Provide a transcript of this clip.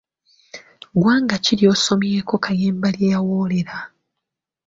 Ggwanga ki ly'osomyeko Kayemba lye yawoolera?